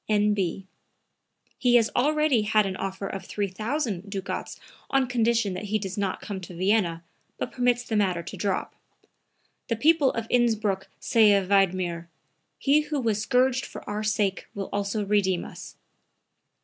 N.B. He has already had an offer of 3,000 ducats on condition that he does not come to Vienna, but permits the matter to drop. The people of Innsbruck say of Wiedmer: he who was scourged for our sake will also redeem us."